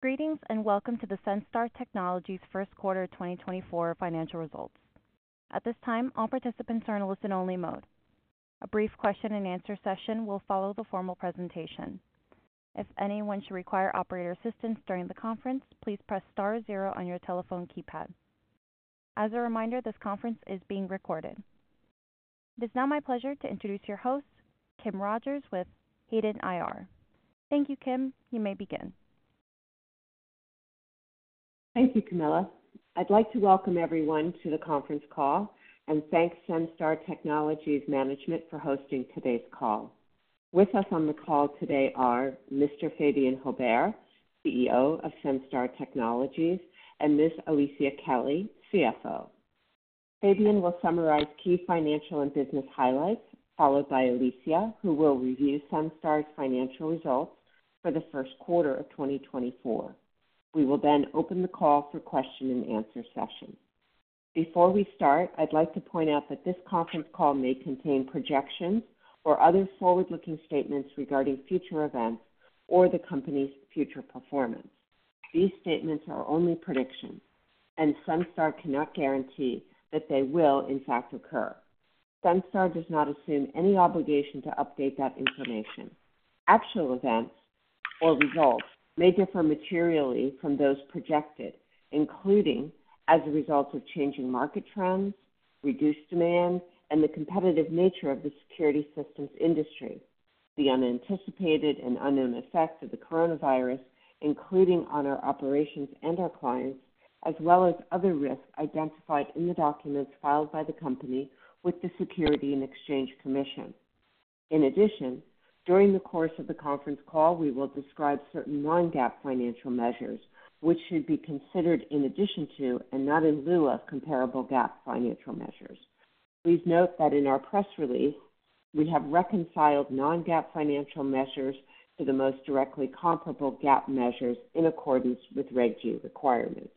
Greetings and welcome to the Senstar Technologies' first quarter 2024 financial results. At this time, all participants are in a listen-only mode. A brief question-and-answer session will follow the formal presentation. If anyone should require operator assistance during the conference, please press star zero on your telephone keypad. As a reminder, this conference is being recorded. It is now my pleasure to introduce your host, Kim Rogers, with Hayden IR. Thank you, Kim. You may begin. Thank you, Camilla. I'd like to welcome everyone to the conference call and thank Senstar Technologies management for hosting today's call. With us on the call today are Mr. Fabien Haubert, CEO of Senstar Technologies, and Ms. Alicia Kelly, CFO. Fabien will summarize key financial and business highlights, followed by Alicia, who will review Senstar's financial results for the first quarter of 2024. We will then open the call for question-and-answer sessions. Before we start, I'd like to point out that this conference call may contain projections or other forward-looking statements regarding future events or the company's future performance. These statements are only predictions, and Senstar cannot guarantee that they will, in fact, occur. Senstar does not assume any obligation to update that information. Actual events or results may differ materially from those projected, including as a result of changing market trends, reduced demand, and the competitive nature of the security systems industry, the unanticipated and unknown effects of the coronavirus, including on our operations and our clients, as well as other risks identified in the documents filed by the company with the Securities and Exchange Commission. In addition, during the course of the conference call, we will describe certain non-GAAP financial measures, which should be considered in addition to, and not in lieu of, comparable GAAP financial measures. Please note that in our press release, we have reconciled non-GAAP financial measures to the most directly comparable GAAP measures in accordance with Reg G requirements.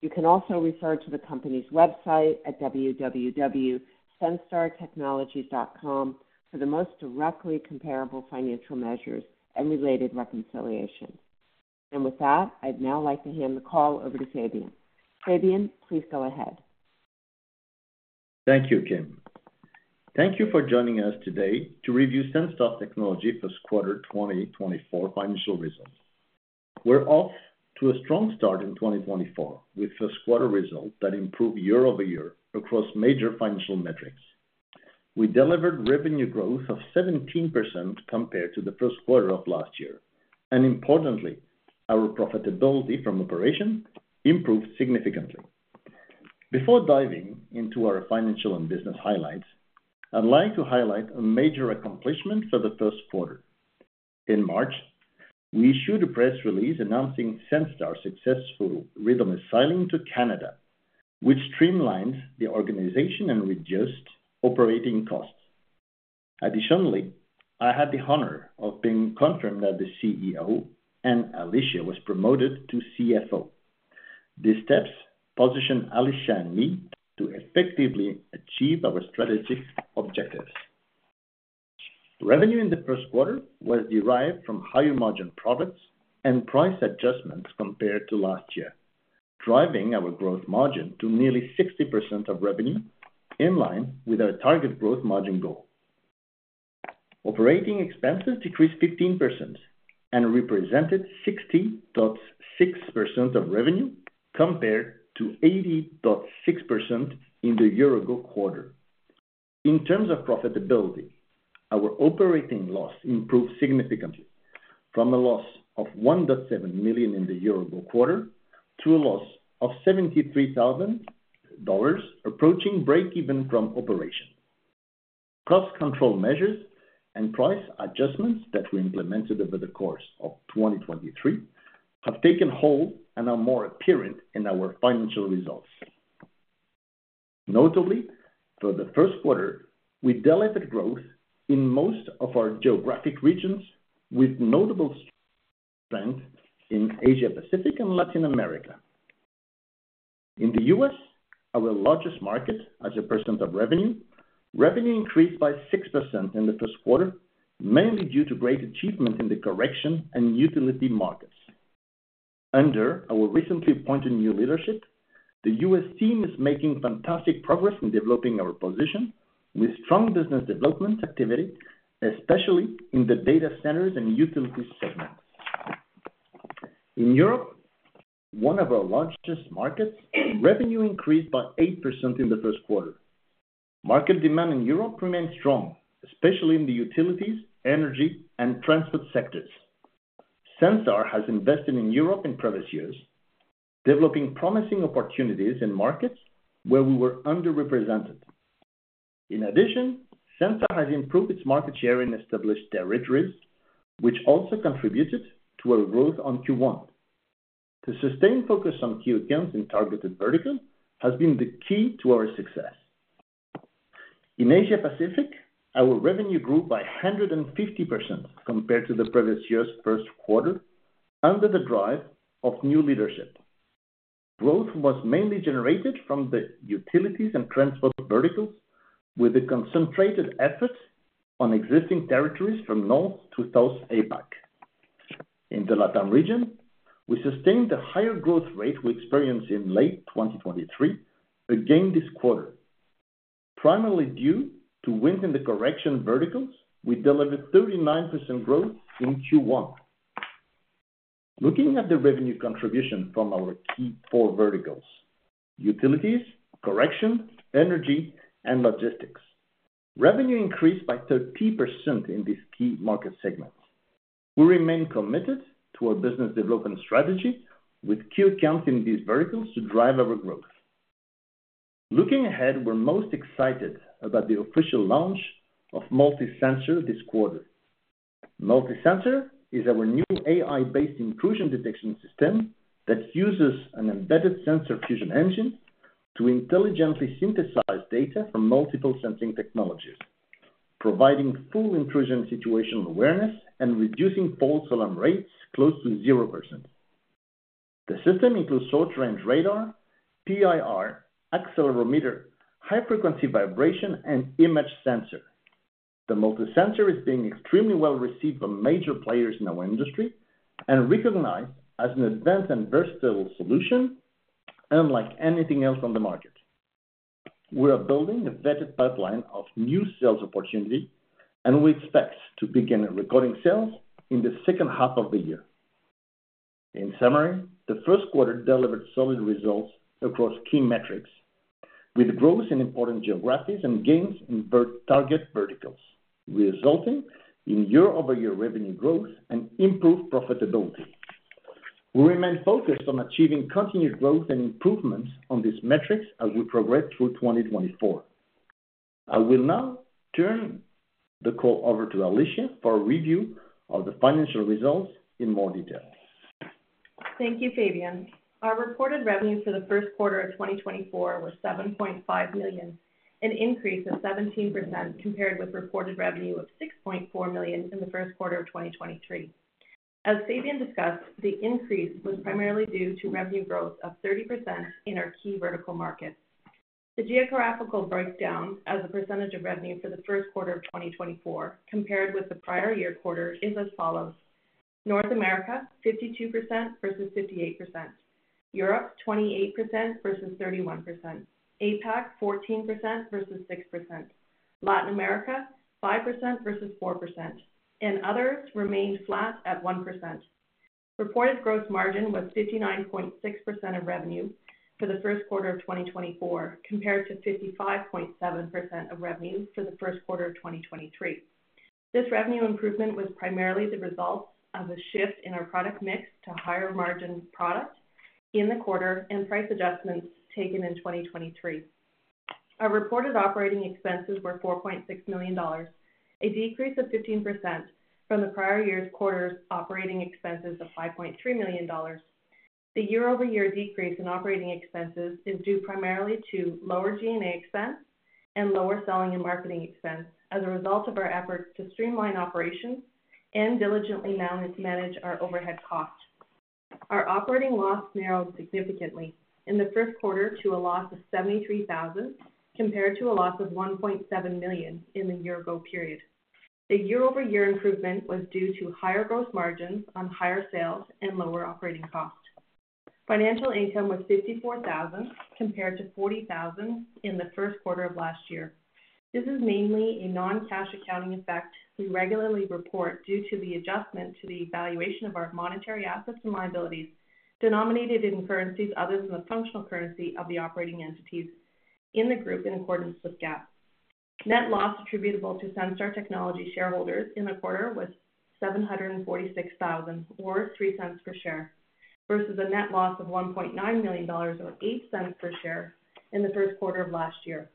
You can also refer to the company's website at www.senstartechnologies.com for the most directly comparable financial measures and related reconciliation. With that, I'd now like to hand the call over to Fabien. Fabien, please go ahead. Thank you, Kim. Thank you for joining us today to review Senstar Technologies' first quarter 2024 financial results. We're off to a strong start in 2024 with first-quarter results that improved year-over-year across major financial metrics. We delivered revenue growth of 17% compared to the first quarter of last year, and importantly, our profitability from operations improved significantly. Before diving into our financial and business highlights, I'd like to highlight a major accomplishment for the first quarter. In March, we issued a press release announcing Senstar's successful redomiciling to Canada, which streamlined the organization and reduced operating costs. Additionally, I had the honor of being confirmed as the CEO and Alicia was promoted to CFO. These steps positioned Alicia and me to effectively achieve our strategic objectives. Revenue in the first quarter was derived from higher margin profits and price adjustments compared to last year, driving our gross margin to nearly 60% of revenue, in line with our target gross margin goal. Operating expenses decreased 15% and represented 60.6% of revenue compared to 80.6% in the year-ago quarter. In terms of profitability, our operating loss improved significantly, from a loss of $1.7 million in the year-ago quarter to a loss of $73,000 approaching break-even from operations. Cost control measures and price adjustments that we implemented over the course of 2023 have taken hold and are more apparent in our financial results. Notably, for the first quarter, we delivered growth in most of our geographic regions, with notable strength in Asia-Pacific and Latin America. In the U.S., our largest market as a percent of revenue, revenue increased by 6% in the first quarter, mainly due to great achievement in the corrections and utility markets. Under our recently appointed new leadership, the U.S. team is making fantastic progress in developing our position, with strong business development activity, especially in the data centers and utility segments. In Europe, one of our largest markets, revenue increased by 8% in the first quarter. Market demand in Europe remained strong, especially in the utilities, energy, and transport sectors. Senstar has invested in Europe in previous years, developing promising opportunities in markets where we were underrepresented. In addition, Senstar has improved its market share in established territories, which also contributed to our growth on Q1. To sustain focus on key accounts in targeted verticals has been the key to our success. In Asia-Pacific, our revenue grew by 150% compared to the previous year's first quarter, under the drive of new leadership. Growth was mainly generated from the utilities and transport verticals, with a concentrated effort on existing territories from north to south APAC. In the LATAM region, we sustained the higher growth rate we experienced in late 2023, again this quarter. Primarily due to wins in the corrections verticals, we delivered 39% growth in Q1. Looking at the revenue contribution from our key four verticals: utilities, corrections, energy, and logistics, revenue increased by 30% in these key market segments. We remain committed to our business development strategy, with key accounts in these verticals to drive our growth. Looking ahead, we're most excited about the official launch of MultiSensor this quarter. MultiSensor is our new AI-based intrusion detection system that uses an embedded sensor fusion engine to intelligently synthesize data from multiple sensing technologies, providing full intrusion situational awareness and reducing false alarm rates close to 0%. The system includes short-range radar, PIR, accelerometer, high-frequency vibration, and image sensor. The MultiSensor is being extremely well received by major players in our industry and recognized as an advanced and versatile solution, unlike anything else on the market. We are building a vetted pipeline of new sales opportunities, and we expect to begin recording sales in the second half of the year. In summary, the first quarter delivered solid results across key metrics, with growth in important geographies and gains in target verticals, resulting in year-over-year revenue growth and improved profitability. We remain focused on achieving continued growth and improvements on these metrics as we progress through 2024. I will now turn the call over to Alicia for a review of the financial results in more detail. Thank you, Fabien. Our reported revenue for the first quarter of 2024 was $7.5 million, an increase of 17% compared with reported revenue of $6.4 million in the first quarter of 2023. As Fabien discussed, the increase was primarily due to revenue growth of 30% in our key vertical markets. The geographical breakdown as a percentage of revenue for the first quarter of 2024, compared with the prior year quarter, is as follows: North America, 52% versus 58%; Europe, 28% versus 31%; APAC, 14% versus 6%; Latin America, 5% versus 4%; and others remained flat at 1%. Reported gross margin was 59.6% of revenue for the first quarter of 2024, compared to 55.7% of revenue for the first quarter of 2023. This revenue improvement was primarily the result of a shift in our product mix to higher-margin products in the quarter and price adjustments taken in 2023. Our reported operating expenses were $4.6 million, a decrease of 15% from the prior year's quarter's operating expenses of $5.3 million. The year-over-year decrease in operating expenses is due primarily to lower G&A expense and lower selling and marketing expense as a result of our efforts to streamline operations and diligently manage our overhead costs. Our operating loss narrowed significantly in the first quarter to a loss of $73,000 compared to a loss of $1.7 million in the year-ago period. The year-over-year improvement was due to higher gross margins on higher sales and lower operating costs. Financial income was $54,000 compared to $40,000 in the first quarter of last year. This is mainly a non-cash accounting effect we regularly report due to the adjustment to the valuation of our monetary assets and liabilities denominated in currencies other than the functional currency of the operating entities in the group in accordance with GAAP. Net loss attributable to Senstar Technologies shareholders in the quarter was $746,000, or $0.03 per share, versus a net loss of $1.9 million, or $0.08 per share, in the first quarter of last year.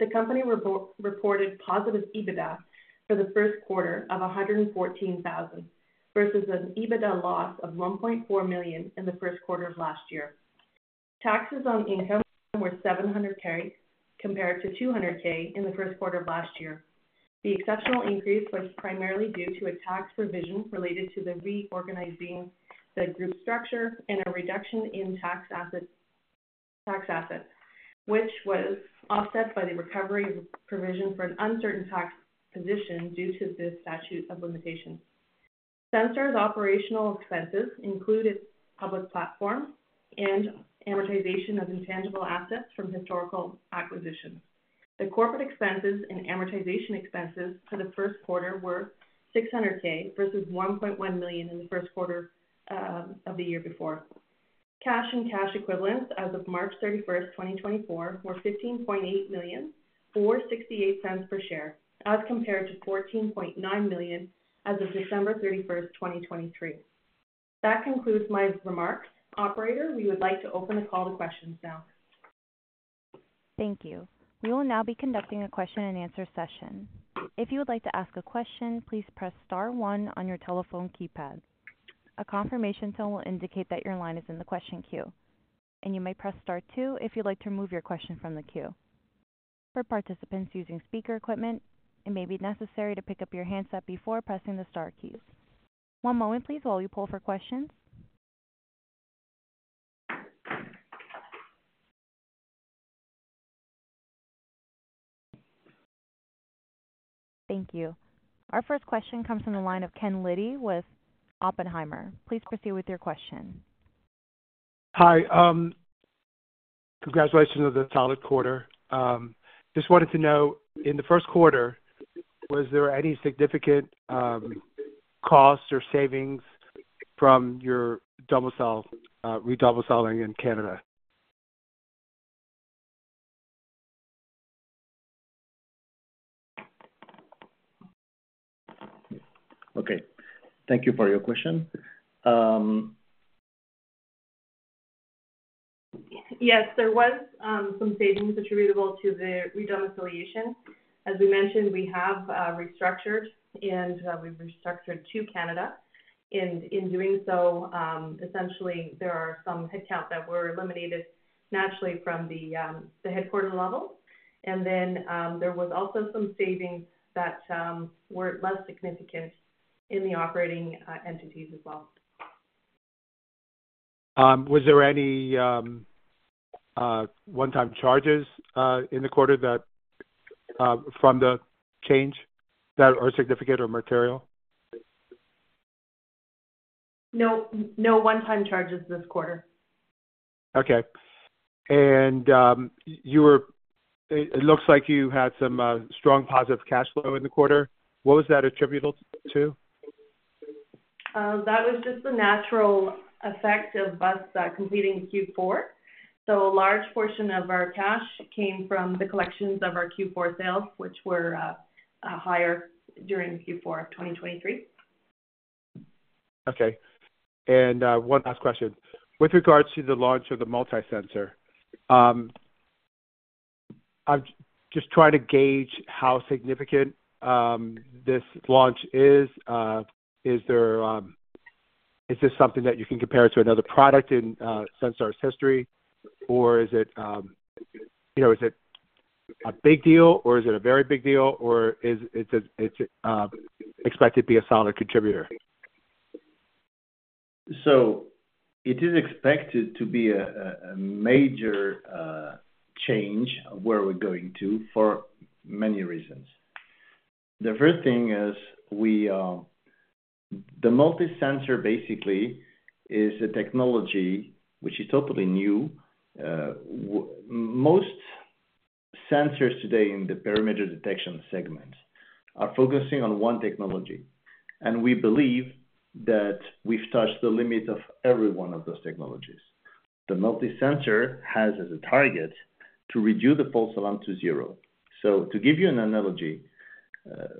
The company reported positive EBITDA for the first quarter of $114,000, versus an EBITDA loss of $1.4 million in the first quarter of last year. Taxes on income were $700,000 compared to $200,000 in the first quarter of last year. The exceptional increase was primarily due to a tax provision related to the reorganizing of the group structure and a reduction in tax assets, which was offset by the recovery of a provision for an uncertain tax position due to the statute of limitations. Senstar's operational expenses included public platform and amortization of intangible assets from historical acquisitions. The corporate expenses and amortization expenses for the first quarter were $600K versus $1.1 million in the first quarter of the year before. Cash and cash equivalents as of March 31, 2024, were $15.8 million, or $0.68 per share, as compared to $14.9 million as of December 31, 2023. That concludes my remarks. Operator, we would like to open the call to questions now. Thank you. We will now be conducting a question-and-answer session. If you would like to ask a question, please press Star 1 on your telephone keypad. A confirmation tone will indicate that your line is in the question queue, and you may press Star 2 if you'd like to remove your question from the queue. For participants using speaker equipment, it may be necessary to pick up your handset before pressing the Star keys. One moment, please, while we pull for questions. Thank you. Our first question comes from the line of Ken Liddy with Oppenheimer. Please proceed with your question. Hi. Congratulations on the solid quarter. Just wanted to know, in the first quarter, was there any significant costs or savings from your redomiciliation in Canada? Okay. Thank you for your question. Yes, there was some savings attributable to the redomiciliation. As we mentioned, we have restructured, and we've restructured to Canada. And in doing so, essentially, there are some headcount that were eliminated naturally from the headquarters level. And then there was also some savings that were less significant in the operating entities as well. Was there any one-time charges in the quarter from the change that are significant or material? No. No one-time charges this quarter. Okay. It looks like you had some strong positive cash flow in the quarter. What was that attributable to? That was just the natural effect of us completing Q4. So a large portion of our cash came from the collections of our Q4 sales, which were higher during Q4 of 2023. Okay. And one last question. With regards to the launch of the MultiSensor, I'm just trying to gauge how significant this launch is. Is this something that you can compare to another product in Senstar's history, or is it a big deal, or is it a very big deal, or is it expected to be a solid contributor? So it is expected to be a major change of where we're going to for many reasons. The first thing is the MultiSensor basically is a technology which is totally new. Most sensors today in the perimeter detection segment are focusing on one technology, and we believe that we've touched the limit of every one of those technologies. The MultiSensor has as a target to reduce the false alarm to zero. So to give you an analogy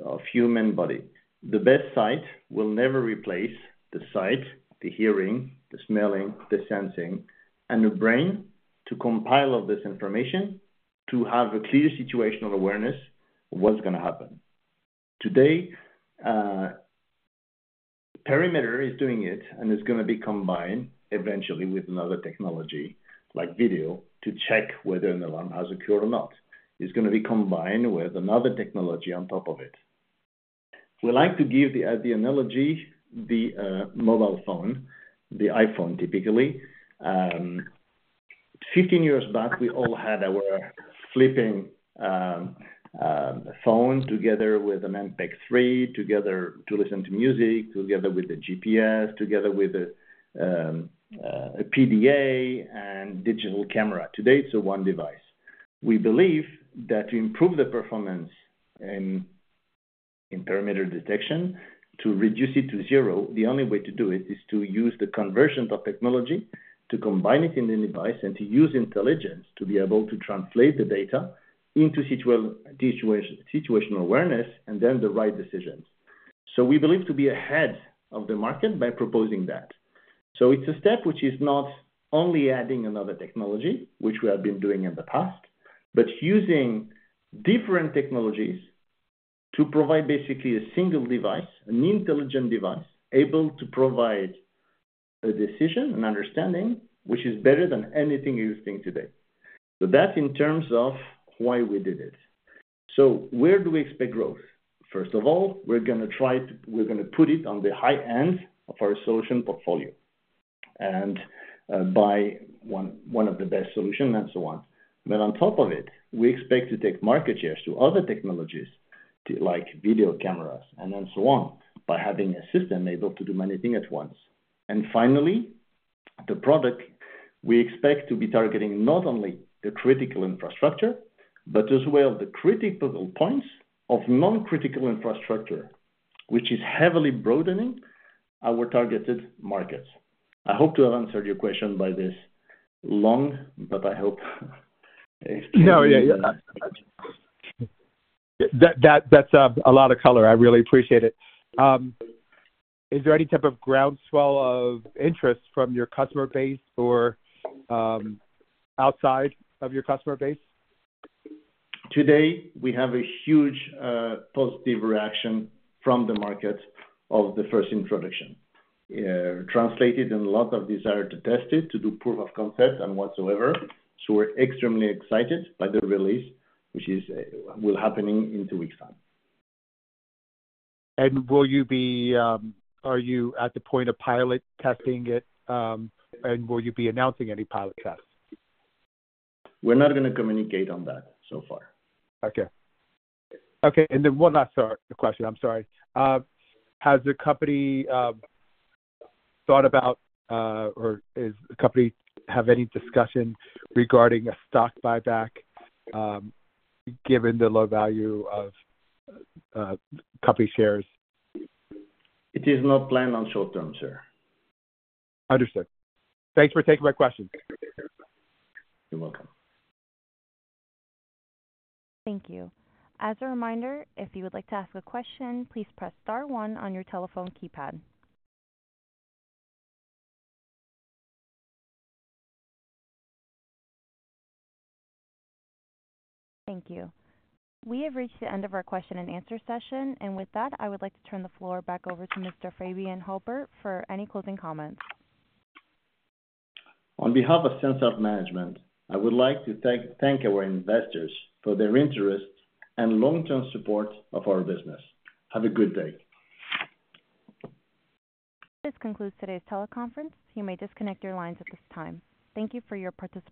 of human body, the best sight will never replace the sight, the hearing, the smelling, the sensing, and the brain to compile all this information to have a clear situational awareness of what's going to happen. Today, perimeter is doing it, and it's going to be combined eventually with another technology like video to check whether an alarm has occurred or not. It's going to be combined with another technology on top of it. We like to give the analogy of the mobile phone, the iPhone typically. 15 years back, we all had our flip phone together with an MP3, together to listen to music, together with the GPS, together with a PDA and digital camera. Today, it's one device. We believe that to improve the performance in perimeter detection, to reduce it to zero, the only way to do it is to use the convergence of technology to combine it in the device and to use intelligence to be able to translate the data into situational awareness and then the right decisions. So we believe to be ahead of the market by proposing that. So it's a step which is not only adding another technology, which we have been doing in the past, but using different technologies to provide basically a single device, an intelligent device able to provide a decision, an understanding, which is better than anything existing today. So that's in terms of why we did it. So where do we expect growth? First of all, we're going to try to put it on the high end of our solution portfolio and buy one of the best solutions and so on. But on top of it, we expect to take market shares to other technologies like video cameras and so on by having a system able to do many things at once. Finally, the product we expect to be targeting not only the critical infrastructure but as well the critical points of non-critical infrastructure, which is heavily broadening our targeted markets. I hope to have answered your question by this long, but I hope. No, yeah, yeah. That's a lot of color. I really appreciate it. Is there any type of groundswell of interest from your customer base or outside of your customer base? Today, we have a huge positive reaction from the market of the first introduction, translated in a lot of desire to test it, to do proof of concept and whatsoever. So we're extremely excited by the release, which will be happening in two weeks' time. Are you at the point of pilot testing it, and will you be announcing any pilot tests? We're not going to communicate on that so far. Okay. Okay. And then one last question. I'm sorry. Has the company thought about or does the company have any discussion regarding a stock buyback given the low value of company shares? It is not planned on short-term, sir. Understood. Thanks for taking my question. You're welcome. Thank you. As a reminder, if you would like to ask a question, please press Star 1 on your telephone keypad. Thank you. We have reached the end of our question-and-answer session. With that, I would like to turn the floor back over to Mr. Fabien Haubert for any closing comments. On behalf of Senstar Management, I would like to thank our investors for their interest and long-term support of our business. Have a good day. This concludes today's teleconference. You may disconnect your lines at this time. Thank you for your participation.